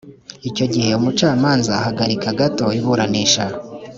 icyo gihe umucamanza ahagarika gato iburanisha